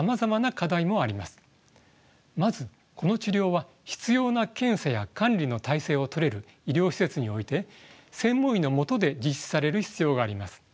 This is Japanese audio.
まずこの治療は必要な検査や管理の体制をとれる医療施設において専門医の下で実施される必要があります。